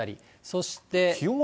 そして。